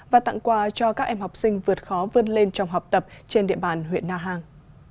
và tặng quà cho các em học sinh vượt khó vươn lên trong học tập trên địa bàn huyện na hàng